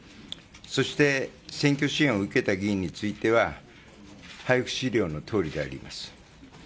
そして選挙支援を受けた議員について配布資料のとおりであります。